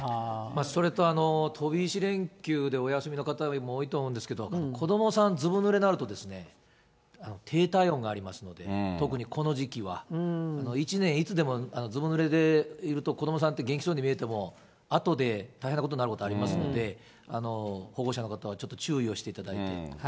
それと飛び石連休でお休みの方も多いと思うんですけれども、子どもさん、ずぶぬれになると、低体温がありますので、特にこの時期は、１年、いつでもずぶぬれでいると、子どもさんって元気そうに見えても、あとで大変なことになることありますので、保護者の方はちょっと注意をしていただいて。